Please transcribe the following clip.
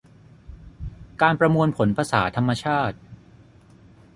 การประมวลผลภาษาธรรมชาติ